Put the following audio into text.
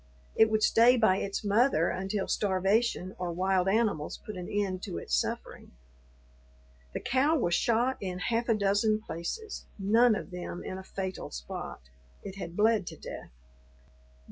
It would stay by its mother until starvation or wild animals put an end to its suffering. The cow was shot in half a dozen places, none of them in a fatal spot; it had bled to death.